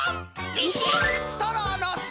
ビシッ！